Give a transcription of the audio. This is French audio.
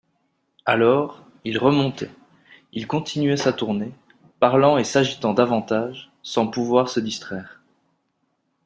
Alors, il remontait, il continuait sa tournée, parlant et s'agitant davantage, sans pouvoir se distraire.